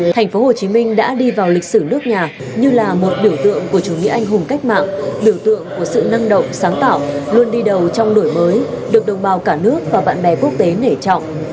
thành phố hồ chí minh đã đi vào lịch sử nước nhà như là một biểu tượng của chủ nghĩa anh hùng cách mạng biểu tượng của sự năng động sáng tạo luôn đi đầu trong đổi mới được đồng bào cả nước và bạn bè quốc tế nể trọng